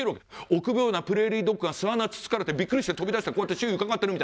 臆病なプレーリードッグが巣穴つつかれてびっくりして飛び出してこうやって周囲うかがってるみたいな。